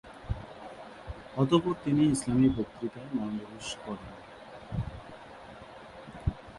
অতপর তিনি ইসলামি বক্তৃতায় মনোনিবেশ করেন।